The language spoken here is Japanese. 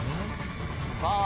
さあ